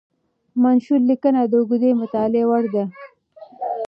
منثور لیکنه د اوږدې مطالعې وړ ده.